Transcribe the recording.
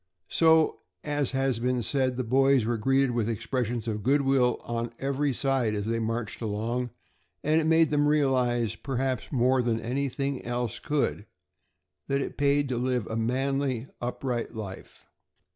So, as has been said, the boys were greeted with expressions of good will on every side as they marched along, and it made them realize, perhaps more than anything else could, that it paid to live a manly, upright life.